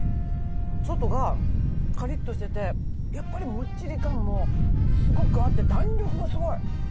外がカリッとしててやっぱりもっちり感もすごくあって弾力がすごい！